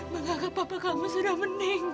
menganggap papa kamu sudah meninggal